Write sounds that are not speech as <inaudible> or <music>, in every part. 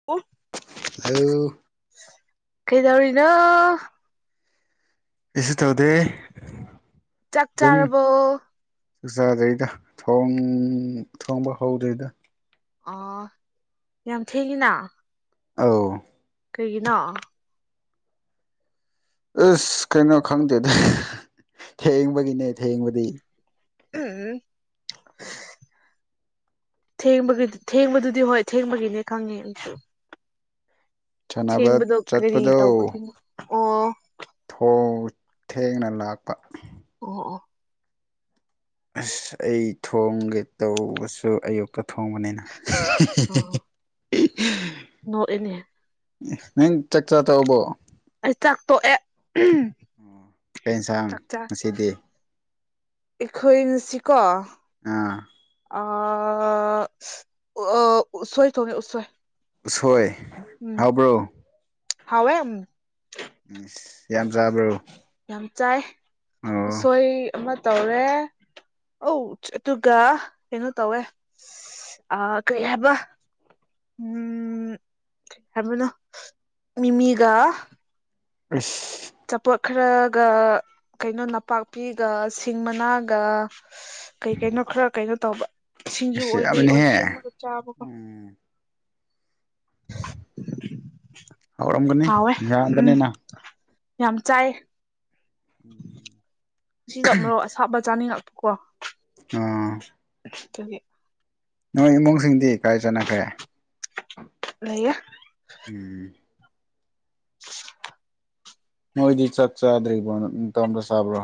<unintelligible> <unintelligible> ꯀꯩꯗꯧꯔꯤꯅ‌ꯣ ꯀꯩꯁꯨ ꯇꯧꯗꯦ ꯆꯥꯛ ꯑꯗꯨꯝ ꯆꯥꯔꯕꯣ ꯆꯥꯛ ꯆꯥꯗ꯭ꯔꯤꯗ ꯊꯣꯡ ꯊꯣꯡꯕ ꯍꯧꯗ꯭ꯔꯤꯗ ꯑꯣ ꯌꯥꯝ ꯊꯦꯡꯏꯅ ꯑꯧ ꯀꯩꯒꯤꯅꯣ ꯑꯁ ꯀꯩꯅꯣ ꯈꯪꯗꯦꯗ ꯊꯦꯡꯕꯒꯤꯅꯦ ꯊꯦꯡꯕꯗꯤ <unintelligible> ꯊꯦꯡꯕꯒꯤ ꯊꯦꯡꯕꯗꯨꯗꯤ ꯍꯣꯏ ꯊꯦꯡꯕꯒꯤꯅꯦ ꯈꯪꯉꯦ ꯑꯗꯨꯁꯨ ꯁꯥꯟꯅꯕ ꯀꯔꯤ ꯆꯠꯄꯗꯣ ꯇꯧꯕꯒꯤꯅꯣ ꯑꯣ ꯊ‌ꯣ ꯊꯦꯡꯅ ꯂꯥꯛꯄ ꯑꯣ ꯑꯣ ꯑꯁ ꯑꯩ ꯊꯣꯡꯒꯦ ꯇꯧꯕꯁꯨ ꯑꯌꯨꯛꯇ ꯊꯣꯡꯕꯅꯤꯅ <unintelligible> ꯅꯣꯛ ꯑ‌ꯦꯅꯦ ꯅꯪ ꯆꯥꯛ ꯆꯥ ꯇꯧꯕꯣ ꯑꯩ ꯆꯥꯛ ꯇꯣꯛꯑꯦ ꯀꯩ ꯌꯦꯟꯁꯥꯡ ꯆꯥꯛꯆꯥ ꯉꯁꯤꯗꯤ ꯑꯩꯈꯣꯏ ꯉꯁꯤꯀꯣ ꯑꯥ ꯑ ꯎ ꯎꯁꯣꯏ ꯊꯣꯡꯉꯦ ꯎꯁꯣꯏ ꯎꯁꯣꯏ ꯎꯝ ꯍꯥꯎꯕ꯭ꯔꯣ ꯍꯥꯎꯑꯦꯝ ꯏꯁ ꯌꯥꯝ ꯆꯥꯕ꯭ꯔꯣ ꯌꯥꯝ ꯆꯥꯏ ꯑꯣ ꯎꯁꯣꯏ ꯑꯃ ꯇꯧꯔꯦ ꯑꯧ ꯑꯗꯨꯒ ꯀꯩꯅꯣ ꯇꯧꯋꯦ ꯑꯥ ꯀꯩ ꯍꯥꯏꯕ ꯎꯝ ꯀꯩ ꯍꯥꯏꯕꯅꯣ ꯃꯤꯃꯤꯒ ꯏꯁ ꯆꯄꯣꯠ ꯈꯔꯒ ꯀꯩꯅꯣ ꯅꯄꯥꯛꯄꯤꯒ ꯁꯤꯡ ꯃꯅꯥꯒ ꯀꯩ ꯀꯩꯅꯣ ꯈꯔ ꯀꯩꯅꯣ ꯇꯧꯕ ꯁꯤꯡꯖꯨ ꯑꯁ ꯑꯣꯏ ꯀꯩ ꯑꯣꯏ ꯌꯥꯝꯕꯅꯦꯍꯦ ꯁꯦꯝꯃꯒ ꯆꯥꯕꯀꯣ ꯎꯝ ꯍꯧꯔꯝꯒꯅꯤ ꯍꯥꯎꯋꯦ ꯎꯝ ꯌꯥꯝꯕꯅꯤꯅ ꯌꯥꯝ ꯆꯥꯏ <inaudible> ꯁꯤꯗ ꯃꯣꯔꯣꯛ ꯑꯁꯥꯞꯕ ꯆꯥꯅꯤꯡꯉꯛꯄ ꯀꯣ ꯑꯥ ꯑꯗꯨꯒꯤ ꯅꯣꯏ ꯏꯃꯨꯡꯁꯤꯡꯗꯤ ꯀꯥꯏ ꯆꯠꯅꯈ꯭ꯔꯦ ꯂꯩꯌꯦ ꯎꯝ <unintelligible> ꯃꯣꯏꯗꯤ ꯆꯥꯛ ꯆꯥꯗ꯭ꯔꯤꯕꯣ ꯅꯇꯣꯝꯇ ꯆꯥꯕ꯭ꯔꯣ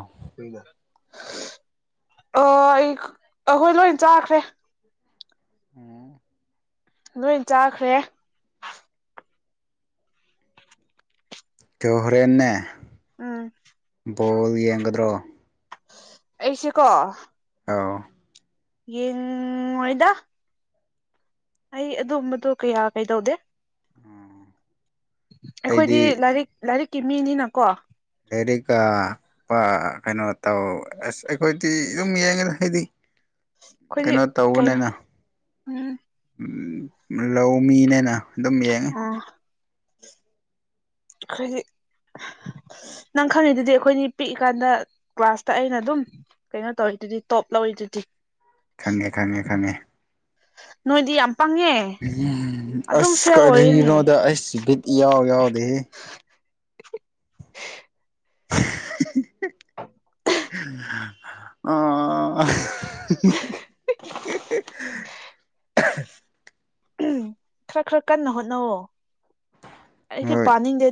ꯑꯣ ꯑꯩ ꯑꯩꯈꯣꯏ ꯂꯣꯏ ꯆꯥꯈ꯭ꯔꯦ ꯎꯝ ꯂꯣꯏ ꯆꯥꯈ꯭ꯔꯦ ꯇꯣ ꯍꯣꯔꯦꯟꯅꯦ ꯎꯝ ꯕꯣꯜ ꯌꯦꯡꯒꯗ꯭ꯔꯣ ꯑꯩꯁꯦꯀꯣ ꯑꯥꯎ ꯌꯦꯡꯉꯣꯏꯗ ꯑꯩ ꯑꯗꯨꯝꯕꯗꯣ ꯀꯌꯥ ꯀꯩꯗꯧꯗꯦ ꯑꯩꯗꯤ ꯑꯩꯈꯣꯏꯗꯤ ꯂꯥꯏꯔꯤꯛ ꯂꯥꯏꯔꯤꯛꯀꯤ ꯃꯤꯅꯤꯅꯀꯣ ꯂꯥꯏꯔꯤꯛꯀꯥ ꯄꯥ ꯀꯩꯅꯣ ꯇꯧ ꯑꯁ ꯑꯩꯈꯣꯏꯗꯤ ꯑꯗꯨꯝ ꯌꯦꯡꯉꯦꯗ ꯍꯥꯏꯗꯤ ꯑꯩꯈꯣꯏꯗꯤ ꯀꯩꯅꯣ ꯀꯩꯅꯣ ꯇꯧꯕꯅꯤꯅ ꯎꯝ ꯂꯧꯃꯤꯅꯦꯅ ꯑꯗꯨꯝ ꯌꯦꯡꯉꯤ ꯑꯣ ꯑꯩꯈꯣꯏꯗꯤ ꯅꯪ ꯈꯪꯉꯤꯗꯨꯗꯤ ꯑꯩꯈꯣꯏꯅꯤ ꯄꯤꯛꯏꯀꯥꯟꯗ ꯀ꯭ꯂꯥꯁꯇ ꯑꯩꯅ ꯑꯗꯨꯝ ꯀꯩꯅꯣ ꯇꯧꯔꯤꯗꯨꯗꯤ ꯇꯣꯞ ꯂꯧꯔꯤꯗꯨꯗꯤ ꯈꯪꯉꯦ ꯈꯪꯉꯦ ꯈꯪꯉꯦ ꯅꯣꯏꯗꯤ ꯌꯥꯝ ꯄꯪꯉꯦ ꯑꯗꯨꯝ ꯑꯁ ꯐꯦꯜ ꯑꯣꯏꯌꯦꯅꯦ ꯀꯔꯤꯅꯣꯗ ꯑꯩꯁ ꯕꯤꯠ ꯏꯌꯥꯎ ꯌꯥꯎꯗꯦꯍꯦ ꯑꯥ <unintelligible> ꯎ ꯈꯔ ꯈꯔ ꯀꯟꯅ ꯍꯣꯠꯅꯋꯣ ꯂꯥꯏꯔꯤꯛꯇꯤ ꯍꯣꯏ ꯄꯥꯅꯤꯡꯗꯦ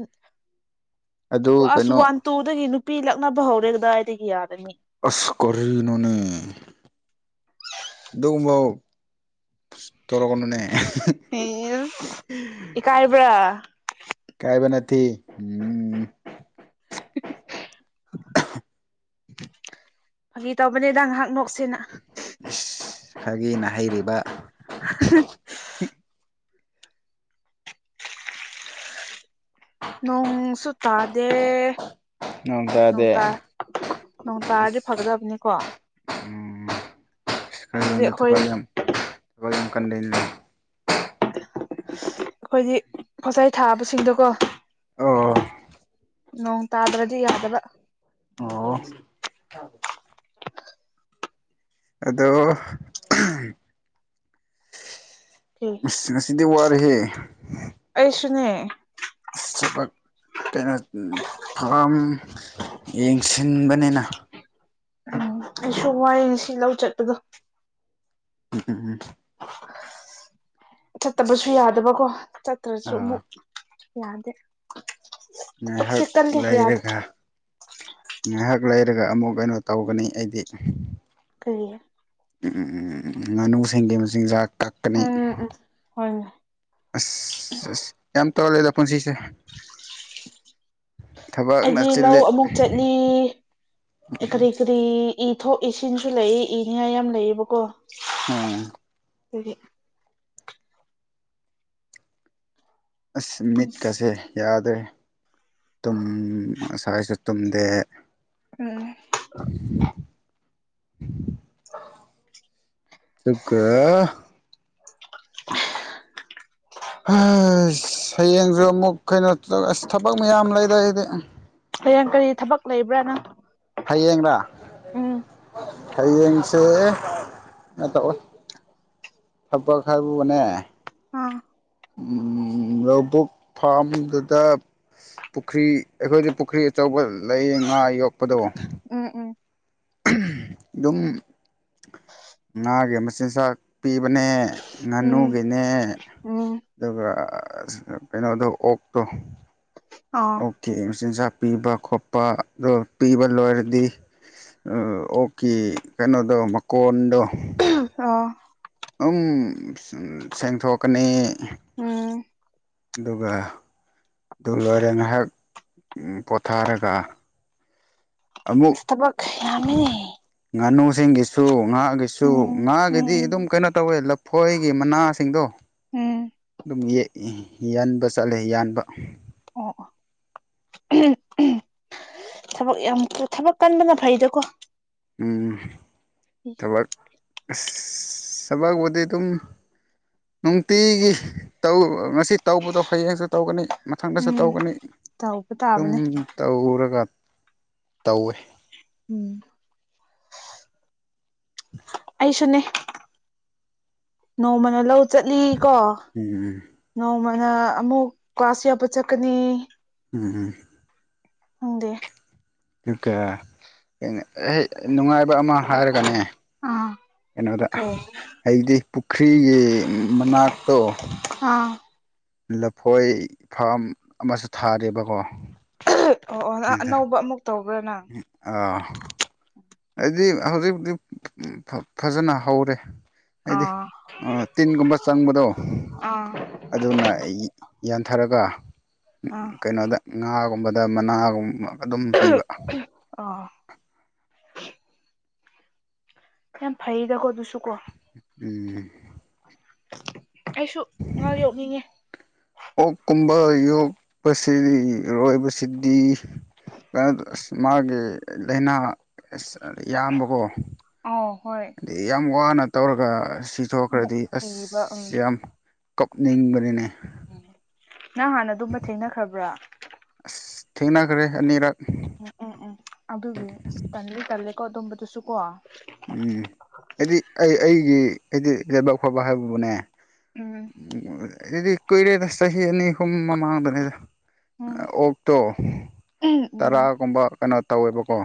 ꯑꯗꯨ ꯀ꯭ꯂꯥꯁ ꯀꯩꯅꯣ ꯋꯥꯟ ꯇꯨꯗꯒꯤ ꯅꯨꯄꯤ ꯂꯛꯅꯕ ꯍꯧꯔꯦ ꯀꯗꯥꯏꯗꯒꯤ ꯌꯥꯔꯅꯤ ꯑꯁ ꯀꯔꯤꯅ‌ꯣꯅꯦ ꯑꯗꯨꯒꯨꯝꯕ ꯇꯧꯔꯛꯀꯅꯨꯅꯦ ꯏꯀꯥꯏꯕ꯭ꯔꯥ ꯏꯀꯥꯏꯕ ꯅꯠꯇꯦ <inaudible> ꯐꯒꯤ ꯇꯧꯕꯅꯦꯗ ꯉꯥꯏꯍꯛ ꯅꯣꯛꯁꯦꯅ ꯑꯁ ꯐꯒꯤꯅ ꯍꯩꯔꯤꯕ <inaudible> ꯅꯣꯡꯁꯨ ꯇꯥꯗꯦ ꯅꯣꯡ ꯇꯥꯗꯦ ꯅꯣꯡꯇꯥ ꯅꯣꯡ ꯇꯥꯔꯗꯤ ꯑꯁ ꯐꯒꯗꯕꯅꯤꯀꯣ ꯍꯥꯏꯕꯗꯤ ꯑꯩꯈꯣꯏ <unintelligible> ꯑꯩꯈꯣꯏꯗꯤ ꯄꯣꯠꯆꯩ ꯊꯥꯕꯁꯤꯗꯀꯣ ꯑꯣ ꯅꯣꯡ ꯇꯥꯗ꯭ꯔꯗꯤ ꯌꯥꯗꯕ ꯑꯣ ꯑꯗꯣ <inaudible> ꯑꯁ ꯉꯁꯤꯗꯤ ꯋꯥꯔꯦꯍꯦ ꯑꯩꯁꯨꯅꯦ ꯊꯕꯛ ꯀꯩꯅꯣ ꯐꯥꯝ ꯌꯦꯡꯁꯤꯟꯕꯅꯤꯅ ꯎꯝ ꯑꯩꯁꯨ ꯋꯥꯏ ꯉꯁꯤ ꯂꯧ ꯆꯠꯄꯗꯣ <inaudible> ꯆꯠꯇꯕꯁꯨ ꯌꯥꯗꯕꯀꯣ ꯆꯠꯇ꯭ꯔꯁꯨ ꯑꯥ ꯑꯃꯨꯛ ꯌꯥꯗꯦ ꯊꯕꯛꯁꯦ ꯉꯥꯏꯍꯛ ꯀꯜꯂꯦ ꯌꯥꯗꯦ ꯂꯩꯔꯒ ꯉꯥꯏꯍꯥꯛ ꯂꯩꯔꯒ ꯑꯃꯨꯛ ꯀꯩꯅꯣ ꯇꯧꯒꯅꯤ ꯑꯩꯗꯤ ꯀꯔꯤ ꯎꯝ ꯉꯥꯅꯨꯁꯤꯡꯒꯤ ꯃꯆꯤꯟꯖꯥꯛ ꯀꯛꯀꯅꯤ ꯎꯝ ꯎꯝ ꯍꯣꯏꯅꯦ ꯑꯁ ꯌꯥꯝ ꯇꯣꯜꯂꯦꯗ ꯄꯨꯟꯁꯤꯁꯦ ꯊꯕꯛꯅ ꯆꯤꯜꯂꯦ ꯅꯤ ꯀꯔꯤ ꯀꯔꯤ ꯏꯊꯣꯛ ꯏꯁꯤꯡꯁꯨ ꯂꯩ ꯏꯅꯤꯡꯉꯥꯏ ꯌꯥꯝ ꯂꯩꯌꯦꯕꯀꯣ ꯎꯝ ꯑꯗꯨꯒꯤ ꯑꯁ ꯄꯨꯟꯁ ꯃꯤꯠꯀꯁꯦ ꯌꯥꯗ꯭ꯔꯦ ꯇꯨꯝ ꯉꯁꯥꯏꯁꯨ ꯇꯨꯝꯗꯦ ꯎꯝ ꯗꯨꯒꯥ ꯍꯥꯁ ꯍꯩꯌꯦꯡꯁꯨ ꯑꯃꯨꯛ ꯀꯩꯅꯣ ꯑꯁ ꯊꯕꯛ ꯃꯌꯥꯝ ꯂꯩꯗ ꯑꯩꯗꯤ ꯍꯩꯌꯦꯡ ꯀꯔꯤ ꯊꯕꯛ ꯂꯩꯕ꯭ꯔꯅꯪ ꯍꯌꯦꯡꯔꯥ ꯎꯝ ꯍꯌꯦꯡꯁꯦ ꯇꯧꯋꯦ ꯊꯕꯛ ꯍꯥꯏꯕꯨꯅꯦ ꯑꯥ ꯎꯝ ꯂꯧꯕꯨꯛ ꯐꯥꯝꯗꯨꯗ ꯄꯨꯈ꯭ꯔꯤ ꯑꯩꯈꯣꯏꯗꯤ ꯄꯨꯈ꯭ꯔꯤ ꯑꯆꯧꯕ ꯂꯩꯥꯌꯦ ꯉꯥ ꯌꯣꯛꯄꯗꯣ ꯎꯝ ꯎꯝ ꯑꯗꯨꯝ ꯉꯥꯒꯤ ꯃꯆꯤꯟꯖꯥꯛ ꯄꯤꯕꯅꯦ ꯉꯥꯅꯨꯒꯤꯅꯦ ꯑꯣ ꯑꯗꯨꯒ ꯀꯩꯅꯣꯗꯣ ꯑꯣꯛꯇꯣ ꯑꯥ ꯀꯤ ꯃꯆꯤꯟꯖꯥꯛ ꯄꯤꯕ ꯈꯣꯠꯄ ꯑꯗꯨ ꯄꯤꯕ ꯂꯣꯏꯔꯗꯤ ꯑꯣꯛꯀꯤ ꯀꯩꯅꯣꯗꯣ ꯃꯀꯣꯟꯗꯣ ꯑ ꯑꯝ ꯁꯦꯡꯊꯣꯛꯀꯅꯤ ꯎꯝ ꯑꯗꯨꯒ ꯑꯗꯨ ꯂꯣꯏꯔ ꯉꯥꯏꯍꯥꯛ ꯄꯣꯊꯥꯔꯒ ꯑꯃꯨꯛ ꯇꯕꯛ ꯌꯥꯝꯃꯦꯅꯦ ꯉꯥꯅꯨꯁꯤꯡꯒꯤꯁꯨ ꯉꯥꯒꯤꯁꯨ ꯎꯝ ꯉꯥꯒꯤꯗꯤ ꯎꯝ ꯑꯗꯨꯝ ꯀꯩꯅꯣ ꯇꯧꯋꯦ ꯂꯐꯣꯏꯒꯤ ꯃꯅꯥꯁꯤꯡꯗꯣ ꯎꯝ ꯑꯗꯨꯝ ꯌꯥꯟꯕ ꯆꯠꯂꯦ ꯌꯥꯟꯕ ꯑꯣ ꯊꯕꯛ ꯌꯥꯝ ꯊꯕꯛ ꯀꯟꯕꯅ ꯐꯩꯗꯀꯣ ꯎꯝ ꯊꯕꯛ ꯁꯕꯛꯕꯨꯗꯤ ꯑꯗꯨꯝ ꯅꯨꯡꯇꯤꯒꯤ ꯇꯧ ꯉꯁꯤ ꯇꯧꯕꯗꯣ ꯍꯌꯦꯡꯁꯨ ꯇꯧꯒꯅꯤ ꯃꯊꯪꯗꯁꯨ ꯎꯝ ꯇꯧꯒꯅꯤ ꯇꯧꯕ ꯁꯨꯝ ꯇꯥꯕꯅꯦ ꯇꯧꯔꯒ ꯇꯧꯋꯦ ꯎꯝ ꯑꯩꯁꯨꯅꯦ ꯅꯣꯡꯃꯅ ꯂꯧ ꯆꯠꯂꯤ ꯀꯣ ꯎꯝ ꯅꯣꯡꯃꯅ ꯑꯃꯨꯛ ꯀ꯭ꯂꯥꯁ ꯌꯥꯎꯕ ꯆꯠꯀꯅꯤ ꯎꯝ ꯎꯝ ꯎꯪꯗꯦ ꯀꯥ ꯑꯩ ꯅꯨꯡꯉꯥꯏꯕ ꯑꯃ ꯍꯥꯏꯔꯒꯅꯦ ꯑꯥ ꯀꯩꯅꯣꯗ ꯍꯥꯏꯗꯤ ꯄꯨꯈ꯭ꯔꯤꯒꯤ ꯃꯅꯥꯛꯇꯣ ꯑꯥ ꯂꯐꯣꯏ ꯐꯥꯝ ꯑꯃꯁꯨ ꯊꯥꯔꯦꯕꯀꯣ ꯑꯣ ꯑꯣ ꯑꯗ ꯑꯅꯧꯕ ꯑꯃꯨꯛ ꯇꯧꯕ꯭ꯔꯥ ꯅꯪ ꯑꯥ ꯑꯩꯗꯤ ꯍꯧꯖꯤꯛ ꯍꯧꯖꯤꯛ ꯐ ꯐꯖꯟꯅ ꯍꯧꯔꯦ ꯑꯩꯗꯤ ꯑꯥ ꯇꯤꯟꯒꯨꯝꯕ ꯆꯪꯕꯗꯣ ꯑꯥ ꯑꯗꯨꯅ ꯑꯩ ꯌꯥꯟꯊꯔꯒ ꯑꯥ ꯀꯩꯅꯣꯗ ꯉꯥꯒꯨꯝꯕꯗ ꯃꯅꯥꯒꯨꯝꯕ ꯑꯗꯨꯝ ꯄꯤꯕ <unintelligible> ꯌꯥꯝ ꯐꯩꯗꯀꯣ ꯇꯨꯁꯨ ꯀꯣ ꯎꯝ ꯑꯩꯁꯨ ꯉꯥ ꯌꯣꯛꯅꯤꯡꯉꯦ ꯑꯣꯛ ꯀꯨꯝꯕ ꯌꯣꯛꯄꯁꯤ ꯔꯣꯏꯕꯁꯤꯗꯤ ꯀꯟꯅ ꯑꯁ ꯃꯥꯒꯤ ꯂꯥꯏꯅꯥ <unintelligible> ꯌꯥꯝꯕꯀꯣ ꯑꯥꯎ ꯍꯣꯏ ꯌꯥꯝ ꯋꯥꯅ ꯇꯧꯔꯒ ꯁꯤ ꯑꯃꯨꯛ ꯊꯣꯛꯈ꯭ꯔꯗꯤ ꯊꯤꯕ ꯑꯁ ꯎꯝ ꯌꯥꯝ ꯀꯞꯅꯤꯡꯕꯅꯤꯅꯦ <unintelligible> ꯅꯪ ꯍꯥꯟꯅ ꯑꯗꯨꯝꯕ ꯊꯦꯡꯅꯈ꯭ꯔꯕ꯭ꯔꯥ ꯑꯁ ꯊꯦꯡꯅꯈ꯭ꯔꯦ ꯑꯅꯤꯔꯛ ꯎꯝ ꯎꯝ ꯎꯝ ꯑꯗꯨꯒꯤ ꯇꯟꯗꯤ ꯇꯜꯂꯦꯀꯣ ꯑꯗꯨꯝꯕꯗꯨꯁꯨ ꯀꯣ ꯎꯝ ꯍꯥꯏꯗꯤ ꯑꯩ ꯑꯩꯒꯤ ꯍꯥꯏꯗꯤ ꯂꯩꯕꯛ ꯐꯕ ꯍꯥꯏꯕꯕꯨꯅꯦ ꯎꯝ ꯑꯗꯨꯗꯤ ꯀꯨꯢꯔꯦꯗ ꯆꯍꯤ ꯑꯅꯤ ꯍꯨꯝ ꯃꯃꯥꯡꯗꯅꯤꯗ ꯎꯝ ꯑꯣꯛꯇꯣ ꯎꯝ ꯇꯔꯥꯒꯨꯝꯕ ꯀꯩꯅꯣ ꯇꯧꯋꯦꯕꯀꯣ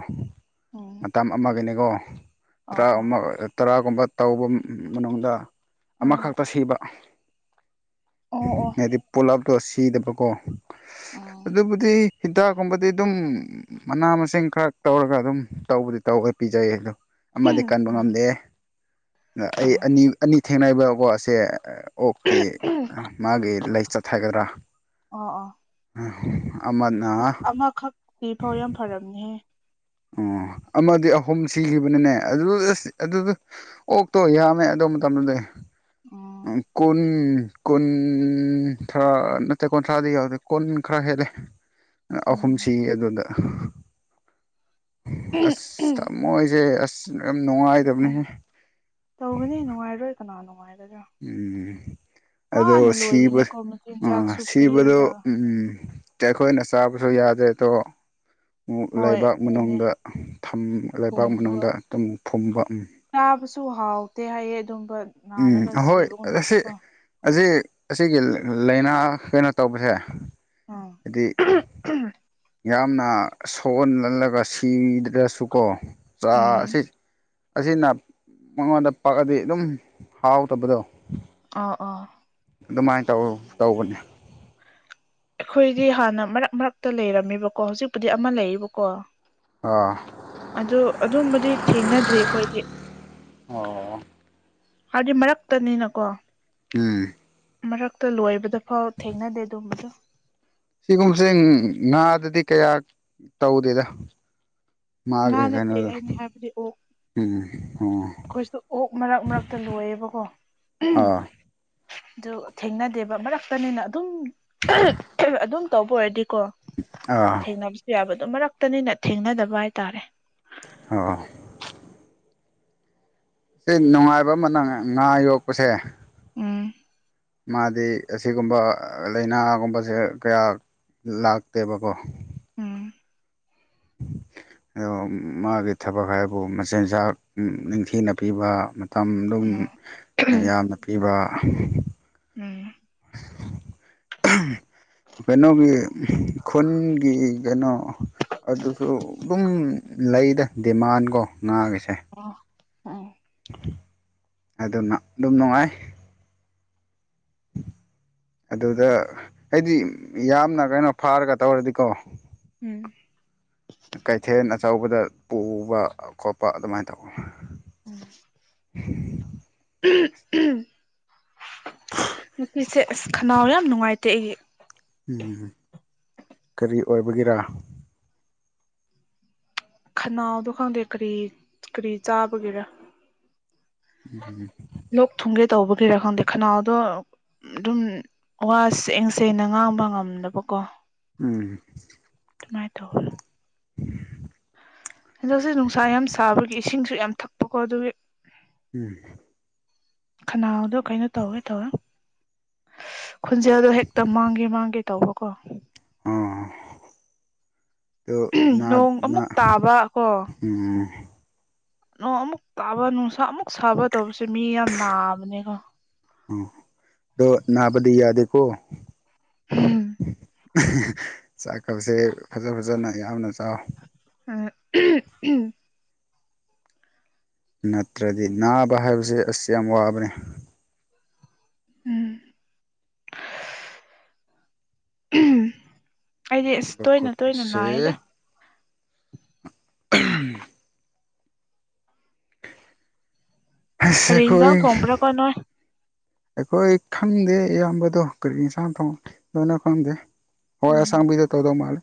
ꯎꯝ ꯃꯇꯝ ꯑꯃꯒꯅꯦꯀꯣ ꯇ꯭ꯔꯥ ꯑꯣ ꯑꯣ ꯑꯃ ꯇ꯭ꯔꯥꯒꯨꯝꯕ ꯇꯧꯕ ꯃꯅꯨꯡꯗ ꯎꯝ ꯑꯃꯈꯛꯇ ꯁꯤꯕ ꯑꯣ ꯑꯣ ꯍꯥꯏꯗꯤ ꯄꯨꯂꯞ ꯇꯣ ꯁꯤꯗꯕꯀꯣ ꯎꯝ ꯑꯗꯨꯕꯨꯗꯤ ꯍꯤꯗꯥꯛꯀꯨꯝꯕꯗꯤ ꯑꯗꯨꯝ ꯃꯅꯥ ꯃꯁꯤꯡ ꯈ꯭ꯔ ꯇꯧꯔꯒ ꯑꯗꯨꯝ ꯇꯧꯕꯨꯗꯤ ꯇꯧꯋꯦ ꯄꯤꯖꯩꯌꯦ ꯑꯗꯨꯝ ꯑꯃꯗꯤ ꯀꯟꯕ ꯎꯝ ꯉꯝꯗꯦ ꯑ ꯑꯩ ꯑꯅꯤ ꯑꯅꯤ ꯊꯦꯡꯅꯩꯕꯀꯣ ꯑꯁꯦ ꯑꯣꯛꯀꯤ ꯃꯥꯒꯤ ꯂꯩꯆꯠ ꯍꯥꯏꯒꯗ꯭ꯔꯥ ꯑꯣ ꯑꯣ <unintelligible> ꯑꯃ ꯑꯁ ꯑꯃꯈꯛ ꯁꯤ ꯐꯥꯎ ꯌꯥꯝ ꯐꯔꯝꯅꯦꯍꯦ ꯑꯣ ꯑꯃꯗꯤ ꯑꯍꯨꯝ ꯁꯤꯈꯤꯕꯅꯤꯅꯦ ꯑꯗꯨ <unintelligible> ꯑꯗꯨꯗ ꯑꯣꯛꯇꯣ ꯌꯥꯝꯃꯦ ꯑꯗꯨ ꯃꯇꯝꯗꯨꯗꯤ ꯑꯣ ꯀꯨꯟ ꯀꯨꯟꯊ꯭ꯔꯥ ꯅꯠꯇꯦ ꯀꯨꯟꯊ꯭ꯔꯥꯗꯤ ꯌꯥꯎꯗꯦ ꯀꯨꯟ ꯈ꯭ꯔ ꯍꯦꯜꯂꯦ <inaudible> ꯑꯍꯨꯝ ꯎꯝ ꯁꯤ ꯑꯗꯨꯗ ꯑꯁ ꯊꯝꯃꯣꯏꯖꯦ ꯑꯁ ꯌꯥꯝ ꯅꯨꯡꯉꯥꯏ ꯎꯝ ꯇꯧꯒꯅꯤ ꯅꯨꯡꯉꯥꯏꯔꯣꯏ ꯀꯅꯥ ꯅꯨꯡꯉꯥꯏꯒꯗ꯭ꯔꯥ ꯎꯝ ꯑꯗꯣ ꯋꯥꯅ ꯁꯤꯕ ꯂꯣꯏꯔꯤꯅꯦꯀꯣ ꯑꯥ ꯃꯆꯤꯟꯖꯥꯛꯁꯨ ꯁꯤꯕꯗꯣ ꯄꯤꯔꯒ ꯎꯝ ꯑꯩꯈꯣꯏꯅ ꯆꯥꯕꯁꯨ ꯌꯥꯗꯦ ꯑꯗꯣ ꯑꯃꯨꯛ ꯍꯣꯏ ꯂꯩꯕꯥꯛ ꯑꯗꯨꯅꯦ ꯃꯅꯨꯡꯗ ꯊꯝ ꯂꯩꯕꯥꯛ ꯄꯨꯝꯕ ꯃꯅꯨꯡꯗ ꯑꯗꯨꯝ ꯐꯨꯝꯕ ꯆꯥꯕꯁꯨ ꯍꯥꯎꯇꯦ ꯍꯥꯏꯌꯦ ꯑꯗꯨꯝꯕ ꯎꯝ ꯅꯥꯔꯒ ꯑꯍꯣꯏ ꯑꯁꯤ ꯁꯤꯕꯒꯨꯝꯕꯁꯦꯀꯣ ꯑꯁꯤ ꯑꯁꯤꯒꯤ <unintelligible> ꯂꯥꯏꯅꯥ ꯀꯩꯅꯣ ꯇꯧꯕꯁꯦ ꯎꯝ ꯍꯥꯏꯗꯤ <unintelligible> ꯌꯥꯝꯅ ꯁꯣꯛꯍꯜꯍꯜꯂꯒ ꯁꯤꯗ꯭ꯔꯁꯨꯀꯣ ꯆꯥ ꯎꯝ ꯁꯤ ꯑꯁꯤꯅ ꯃꯉꯣꯟꯗ ꯄꯥꯛꯑꯗꯤ ꯑꯗꯨꯝ ꯍꯥꯎꯇꯕꯗꯣ ꯑ ꯑꯣ ꯑꯗꯨꯃꯥꯏꯟ ꯇꯧꯋꯦ ꯇꯧꯕꯅꯦ ꯑꯩꯈꯣꯏꯗꯤ ꯍꯥꯟꯅ ꯃꯔꯛ ꯃꯔꯛꯇ ꯂꯩꯔꯝꯃꯦꯕꯀꯣ ꯍꯧꯖꯤꯛꯄꯨꯗꯤ ꯑꯃ ꯂꯩꯌꯦꯕꯀꯣ ꯑꯣ ꯑꯗꯨ ꯑꯗꯨꯝꯕꯗꯤ ꯊꯦꯡꯅꯗ꯭ꯔꯤ ꯑꯩꯈꯣꯏꯗꯤ ꯑꯣ ꯍꯥꯏꯗꯤ ꯃꯔꯛꯇꯅꯤꯅꯀꯣ ꯎꯝ ꯃꯔꯛꯇ ꯂꯣꯏꯕꯗ ꯐꯥꯎ ꯊꯦꯡꯅꯗꯦ ꯑꯗꯨꯒꯨꯝꯝꯕꯗꯣ ꯁꯤꯒꯨꯝꯕꯁꯦ ꯉꯥꯗꯗꯤ ꯀꯌꯥ ꯇꯧꯗꯦꯗ ꯉꯥ ꯃꯥꯒꯦ ꯅꯠꯇꯦ ꯀꯩꯅꯣꯗ ꯑꯩꯅ ꯎꯝ ꯑꯈꯣꯏꯁꯨ ꯑꯣꯛ ꯃꯔꯛ ꯃꯔꯛꯇ ꯂꯣꯏꯌꯦꯕꯀꯣ ꯑꯣ ꯑꯗꯨ ꯊꯦꯡꯅꯗꯦꯕ ꯃꯔꯛꯇꯅꯤꯅ ꯑꯗꯨꯝ ꯑꯗꯨꯝ ꯇꯧꯕ ꯑꯣꯏꯔꯗꯤꯀꯣ ꯑ ꯊꯦꯡꯅꯕꯁꯨ ꯌꯥꯕꯗꯨ ꯃꯔꯛꯇꯅꯤꯅ ꯊꯦꯡꯅꯗꯕ ꯍꯥꯏꯇꯥꯔꯦ ꯑꯣ ꯁꯤ ꯅꯨꯡꯉꯥꯏꯕ ꯑꯃ ꯅꯪ ꯉꯥ ꯌꯣꯛꯄꯁꯦ ꯎꯝ ꯃꯥꯗꯤ ꯑꯁꯤꯒꯨꯝꯕ ꯂꯥꯏꯅꯥꯒꯨꯝꯕꯁꯦ ꯀꯌꯥ ꯂꯥꯛꯇꯦꯕꯀꯣ ꯎꯝ ꯑꯣ ꯃꯥꯒꯤ ꯊꯕꯛ ꯍꯥꯏꯕꯨ ꯃꯆꯤꯟꯖꯥꯛ ꯅꯤꯡꯊꯤꯅ ꯄꯤꯕ ꯇꯝꯗꯨꯝ ꯑꯗꯨꯝ ꯌꯥꯝꯅ ꯄꯤꯕ ꯎꯝ ꯀꯩꯅꯣꯒꯤ ꯈꯨꯟꯒꯤ ꯀꯩꯅꯣ ꯑꯗꯨꯁꯨ ꯑꯗꯨꯝ ꯂꯩꯗ ꯗꯤꯃꯥꯟ ꯀꯣ ꯉꯥꯒꯤꯁꯦ ꯑꯣ ꯎꯝ ꯑꯗꯨꯅ ꯑꯗꯨꯝ ꯅꯨꯡꯉꯥꯏ <inaudible> ꯑꯗꯨꯗ ꯑꯩꯗꯤ ꯌꯥꯝꯅ ꯀꯩꯅꯣ ꯐꯥꯔꯒ ꯇꯧꯔꯗꯤꯀꯣ ꯎꯝ ꯀꯩꯊꯦꯟ ꯑꯆꯧꯕꯗ ꯄꯨꯕ ꯈꯣꯠꯄ ꯑꯗꯨꯃꯥꯏꯅ ꯇꯧꯋ ꯎꯝ ꯉꯄꯤꯁꯦ ꯑꯁ ꯈꯅꯥꯎ ꯌꯥꯝ ꯅꯨꯡꯉꯥꯏꯇꯦ ꯑꯩꯒꯤ ꯎꯝ ꯀꯔꯤ ꯑꯣꯏꯕꯒꯤꯔꯥ ꯈꯅꯥꯎꯗꯣ ꯈꯪꯗꯦ ꯀꯔꯤ ꯀꯔꯤ ꯆꯥꯕꯒꯤꯔ ꯎꯝ ꯂꯣꯛ ꯊꯨꯡꯒꯦ ꯇꯧꯕꯒꯤꯔꯥ ꯈꯪꯗꯦ ꯈꯅꯥꯎꯗꯣ ꯑꯗꯨꯝ ꯋꯥ ꯁꯦꯡ ꯁꯦꯡꯅ ꯉꯥꯡꯕ ꯉꯝꯗꯕꯀꯣ ꯎꯝ ꯗꯨꯃꯥꯏ ꯇꯧꯍꯜꯂꯣ ꯍꯟꯗꯛꯁꯦ ꯅꯨꯡꯁꯥ ꯌꯥꯝ ꯁꯥꯕꯒꯤ ꯏꯁꯤꯡꯁꯨ ꯌꯥꯝ ꯊꯛꯄꯀꯣ ꯑꯗꯨꯒꯤ ꯎꯝ ꯈꯅꯥꯎꯗꯣ ꯀꯩꯅꯣ ꯇꯧꯋꯦ ꯇꯧꯋꯦ ꯈꯨꯟꯖꯦꯜꯗꯣ ꯍꯦꯛꯇ ꯃꯥꯡꯒꯦ ꯃꯥꯡꯒꯦ ꯇꯧꯕꯀꯣ ꯑꯥ ꯅꯣꯡ ꯅꯥ ꯑꯃꯨꯛ ꯇꯥꯕ ꯀꯣ ꯎꯝ ꯑꯣ ꯑꯃꯨꯛ ꯇꯥꯕ ꯅꯨꯡꯁꯥ ꯑꯃꯨꯛ ꯁꯥꯕ ꯇꯧꯕꯁꯦ ꯃꯤ ꯌꯥꯝ ꯅꯥꯕꯅꯦꯀꯣ ꯑꯣ ꯅꯅꯥꯕꯗꯤ ꯌꯥꯗꯦꯀꯣ ꯆꯥꯛꯀꯞꯁꯦ ꯐꯖ ꯐꯖꯟꯅ ꯌꯥꯝꯅ ꯆꯥꯎ ꯑ <unintelligible> ꯅꯠꯇ꯭ꯔꯗꯤ ꯅꯥꯕ ꯍꯥꯏꯕꯁꯦ ꯑꯁ ꯌꯥꯝ ꯋꯥꯕꯅꯦ ꯎꯝ ꯎꯝ ꯑꯩꯗꯤ ꯑꯁ ꯅꯥꯕ ꯇꯣꯏꯅ ꯇꯣꯏꯅ ꯅꯥꯏꯗ ꯈꯣꯠꯄꯁꯦ <unintelligible> ꯍꯁ ꯀꯔꯤ ꯑꯈꯣꯏ ꯌꯦꯟꯖꯥꯡ ꯊꯣꯡꯕ꯭ꯔꯥꯀꯣ ꯅꯣꯏ ꯑꯩꯈꯣꯏ ꯈꯪꯗꯦ ꯏꯌꯥꯝꯕꯗꯣ ꯀꯔꯤ ꯏꯟꯁꯥꯡ ꯊꯣꯡ ꯗꯣꯏꯅꯣ ꯈꯪꯗꯦ ꯍꯋꯥꯏ ꯎꯝ ꯑꯁꯥꯡꯕꯤꯗ ꯇꯧꯗꯧ ꯃꯥꯜꯂꯦ